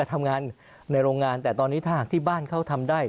ทำงานในโรงงานแต่ตอนนี้ถ้าหากที่บ้านเขาทำได้